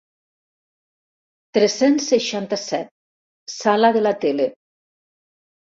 Tres-cents seixanta-set sala de la tele.